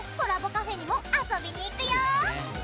カフェにも遊びに行くよ！